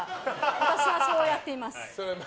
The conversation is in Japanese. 私はそうやっています。